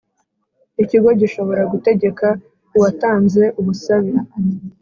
Ikigo gishobora gutegeka uwatanze ubusabe